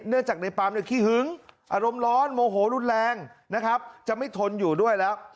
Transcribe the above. เนื่องจากนายปาล์มเนี่ยขี้หึงอารมณ์ร้อนโมโหรุนแรงนะครับจะไม่ทนอยู่ด้วยแล้ว